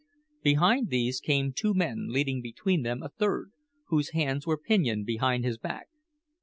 Behind these came two men leading between them a third, whose hands were pinioned behind his back.